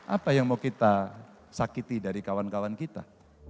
apa yang mau kita sakiti dari kawan kawan kita